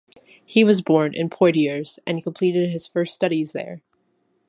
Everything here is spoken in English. He was born in Poitiers, and completed his first studies there.